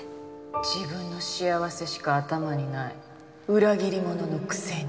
自分の幸せしか頭にない裏切者のくせに。